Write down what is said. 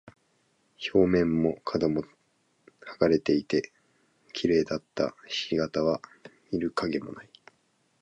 表面も角も剥がれていて、綺麗だった菱形は見る影もない。